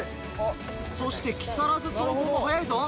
そして木更津総合も速いぞ。